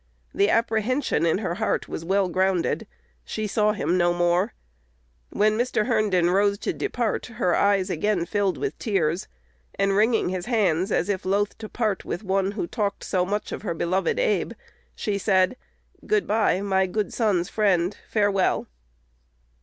The apprehension in her "heart" was well grounded. She "saw him no more." When Mr. Herndon rose to depart, her eyes again filled with tears; and, wringing his hands as if loath to part with one who talked so much of her beloved Abe, she said, "Good by, my good son's friend. Farewell."